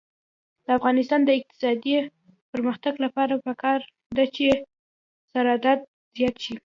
د افغانستان د اقتصادي پرمختګ لپاره پکار ده چې صادرات زیات شي.